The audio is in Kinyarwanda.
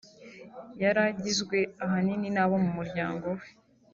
yari igizwe ahanini n’abo mu muryango we